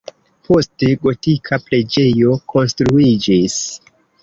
Poste gotika preĝejo konstruiĝis.